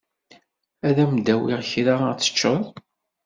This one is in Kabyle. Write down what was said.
Ad m-d-awiɣ kra ad t-teččeḍ.